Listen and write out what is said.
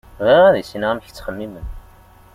Bɣiɣ ad issineɣ amek i ttxemmimen.